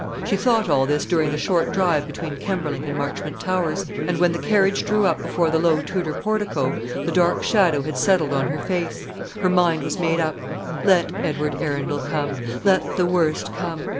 She thought all this during the short drive between Kemberling and Marchmont Towers; and when the carriage drew up before the low Tudor portico, the dark shadow had settled on her face. Her mind was made up. Let Edward Arundel come; let the worst come.